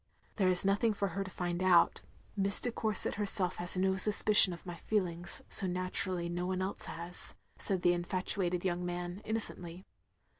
"There is nothing for her to find out. Miss de Cotirset herself has no suspicion of my feelings, so nattirally no one else has, " said the infatuated young man, innocently.